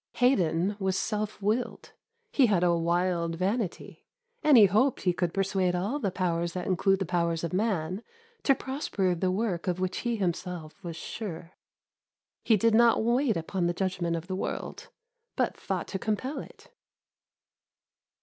Haydon was self willed; he had a wild vanity, and he hoped he could persuade all the powers that include the powers of man to prosper the work of which he himself was sure. He did not wait upon the judgement of the world, but thought to compel it.